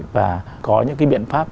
và có những cái biện pháp